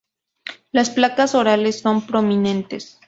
Las placas orales son prominentes.